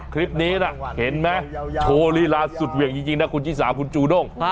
คลิปนี้นะเห็นไหมโชว์ลีลาสุดเหวี่ยงจริงนะคุณชิสาคุณจูด้ง